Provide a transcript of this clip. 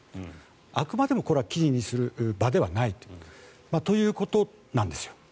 あくまでも、これは記事にする場ではないと。ということなんですよ。